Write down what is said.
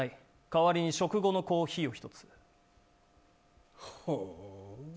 代わりに食後のコーヒーを１つ。